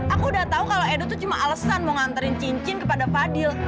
aku udah tau kalau edo tuh cuma alesan mau nganterin cincin kepada fadil